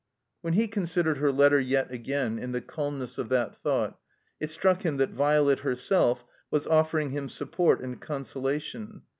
When he considered her letter yet again in the calmness of that thought, it struck him that Violet herself was offering him support and consolation.